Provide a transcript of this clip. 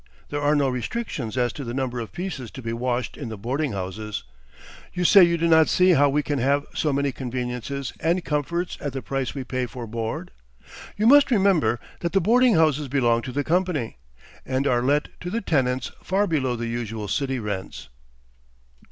There are no restrictions as to the number of pieces to be washed in the boarding houses. You say you do not see how we can have so many conveniences and comforts at the price we pay for board. You must remember that the boarding houses belong to the company, and are let to the tenants far below the usual city rents."